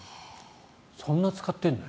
そんな使ってるの。